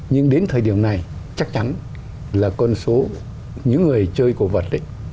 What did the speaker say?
nhưng đến thời điểm này chắc chắn là con số những người chơi cổ vật ấy